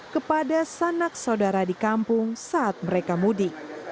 kepada sanak saudara di kampung saat mereka mudik